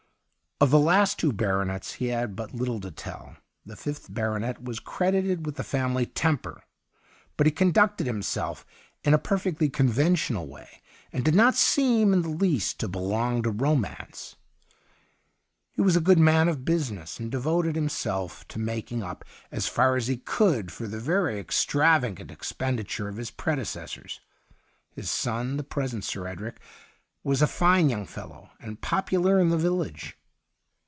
Of the last two baronets he had but little to tell. The fifth baronet was credited with the family temper, but he conducted himself in a per fectly conventional way, and did not seem in the least to belong to romance. He was a good man of business, and devoted himself to making up, as far as he could, for the very extravagant expendi ture of his predecessors. His son, the present Sir Edric, was a fine young fellow and popular in the 131 THE UNDYING THING village.